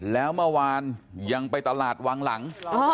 แล้วเมื่อวานยังไปตลาดวังหลัง